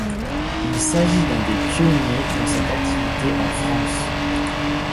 Il s'agit d'un des pionniers dans cette activité en France.